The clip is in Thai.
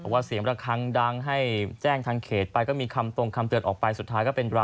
ว่าเสียงระคังดังให้แจ้งทางเขตไปก็มีคำตรงคำเตือนออกไปสุดท้ายก็เป็นดรา